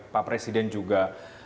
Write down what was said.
pak presiden juga